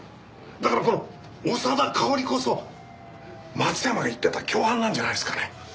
だからこの長田かおりこそ松山が言ってた共犯なんじゃないですかね？